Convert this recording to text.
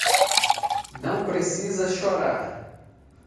Não precisa chorar.